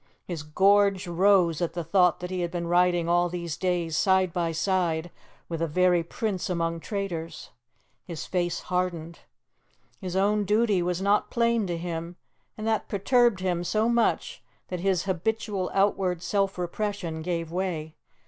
His gorge rose at the thought that he had been riding all these days side by side with a very prince among traitors. His face hardened. His own duty was not plain to him, and that perturbed him so much that his habitual outward self repression gave way.